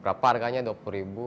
berapa harganya dua puluh ribu